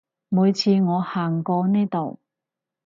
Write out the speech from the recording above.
每次我行過呢度